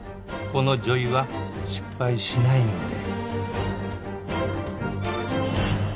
この女医は失敗しないので。